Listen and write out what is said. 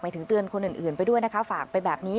ถึงเตือนคนอื่นไปด้วยนะคะฝากไปแบบนี้